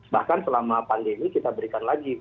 bahkan selama pandemi kita berikan lagi